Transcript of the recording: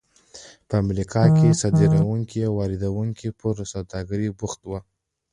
په امریکا کې صادروونکي او واردوونکي پر سوداګرۍ بوخت وو.